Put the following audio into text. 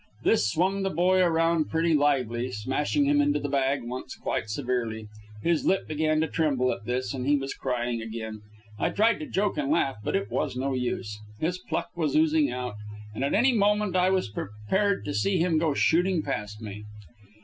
This swung the boy around pretty lively, smashing him into the bag once quite severely. His lip began to tremble at this, and he was crying again. I tried to joke and laugh, but it was no use. His pluck was oozing out, and at any moment I was prepared to see him go shooting past me.